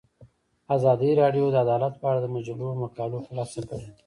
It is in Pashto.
ازادي راډیو د عدالت په اړه د مجلو مقالو خلاصه کړې.